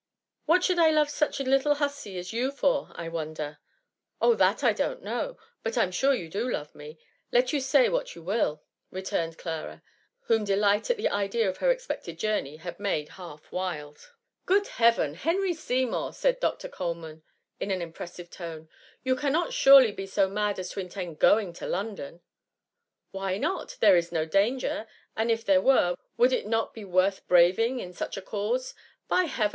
*^ What should I love such a little hussey as you for, I wonder ?" Oh, that I don't know ; but I 'm sure you do love me, let you say what you will !^ re tume^ Clara, whom delight at the idea of her expected journey had made half wild. 158 Tas M0MMY. " Grood Heaven! Henry Seymour f* said Doctor Coleman, in an impressive tone ;^^ you cannot surely be so mad as to intend going to L<Midon ?" Why not ? There is no danger, and if there were, would it not be worth braving in such a cause ? By Heaven